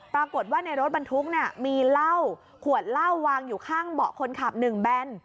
ปรากฏว่าในรถบรรทุกมีเหล้าขวดเหล้าวางอยู่ข้างเบาะคนขับ๑แบน